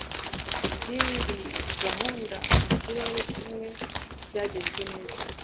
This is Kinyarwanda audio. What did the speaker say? ry iyi gahunda mu turere tumwe ryagenze neza